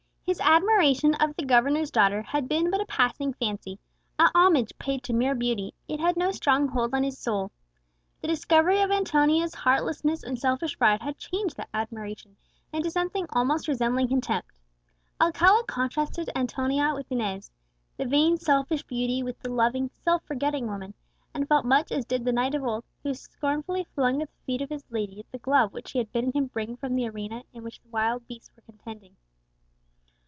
His admiration of the governor's daughter had been but a passing fancy, a homage paid to mere beauty; it had no strong hold on his soul. The discovery of Antonia's heartlessness and selfish pride had changed that admiration into something almost resembling contempt. Alcala contrasted Antonia with Inez, the vain selfish beauty with the loving, self forgetting woman, and felt much as did the knight of old who scornfully flung at the feet of his lady the glove which she had bidden him bring from the arena in which wild beasts were contending.